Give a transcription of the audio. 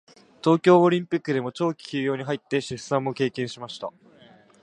東京オリンピックでは長期休養に入って出産も経験しました。